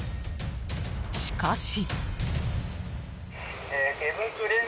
しかし。